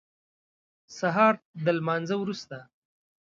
سهار د لمانځه وروسته.